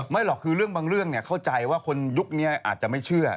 ไม่หรอกคือเรื่องบางเรื่องเข้าใจว่าคนยุคนี้อาจจะไม่เชื่อ